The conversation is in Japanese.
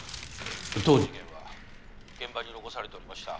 当事件は現場に残されておりました